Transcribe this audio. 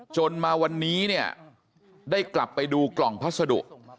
จนมาวันนี้เนี่ยได้กลับไปดูกล่องพัสดุ